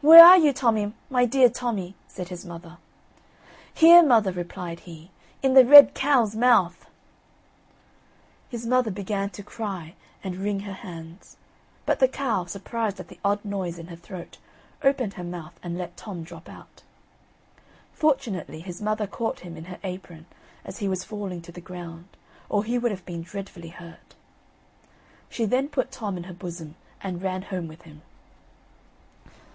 "Where are you, Tommy, my dear Tommy?" said his mother. "Here, mother," replied he, "in the red cow's mouth." His mother began to cry and wring her hands; but the cow, surprised at the odd noise in her throat, opened her mouth and let Tom drop out. Fortunately his mother caught him in her apron as he was falling to the ground, or he would have been dreadfully hurt. She then put Tom in her bosom and ran home with him.